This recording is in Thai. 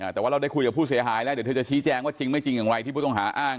แต่ว่าเราได้คุยกับผู้เสียหายแล้วเดี๋ยวเธอจะชี้แจงว่าจริงไม่จริงอย่างไรที่ผู้ต้องหาอ้าง